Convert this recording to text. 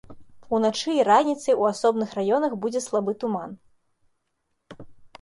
Уначы і раніцай у асобных раёнах будзе слабы туман.